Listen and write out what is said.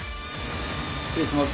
失礼します。